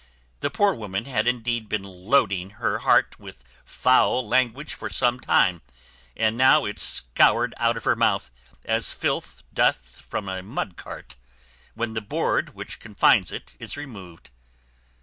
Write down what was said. The poor woman had indeed been loading her heart with foul language for some time, and now it scoured out of her mouth, as filth doth from a mud cart, when the board which confines it is removed.